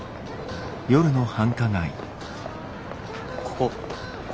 ここ。